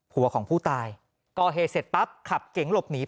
ของผู้ตายก่อเหตุเสร็จปั๊บขับเก๋งหลบหนี